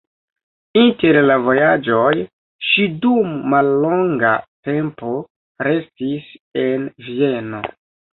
Inter la vojaĝoj ŝi dum mallonga tempo restis en Vieno.